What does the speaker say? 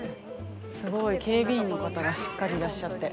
すごい。警備員の方がしっかりいらっしゃって。